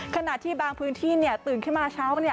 ขณะที่บางพื้นที่ตื่นขึ้นมาเช้า